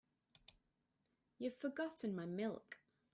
You've forgotten my milk.